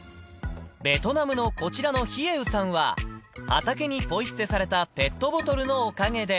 ベトナムのこちらのヒエウさんは、畑にぽい捨てされたペットボトルのおかげで。